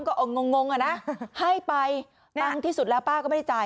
ก็งงอ่ะนะให้ไปดังที่สุดแล้วป้าก็ไม่ได้จ่าย